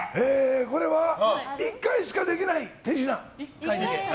これは１回しかできない手品。